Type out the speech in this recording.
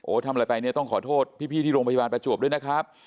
ทำอะไรไปเนี่ยต้องขอโทษพี่ที่โรงพยาบาลประจวบด้วยนะครับ